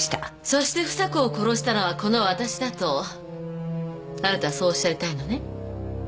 そして房子を殺したのはこのわたしだとあなたはそうおっしゃりたいのね？